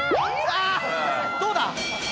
あっどうだ？